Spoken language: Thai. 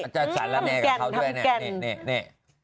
จะสารแนกกับเขาด้วยนะนี่